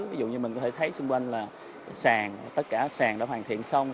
ví dụ như mình có thể thấy xung quanh là sàn tất cả sàn đã hoàn thiện xong